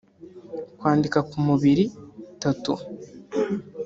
kwandika ku mubiri(tattoos)